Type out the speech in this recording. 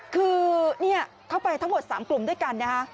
คือเมื่อไปทั้งหมด๓กลุ่มด้วยกันค่ะ